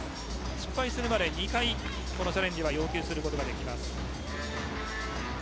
失敗するまで２回チャレンジを要求することができます。